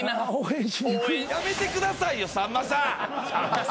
やめてくださいよさんまさん！